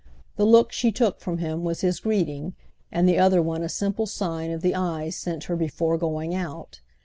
The look she took from him was his greeting, and the other one a simple sign of the eyes sent her before going out.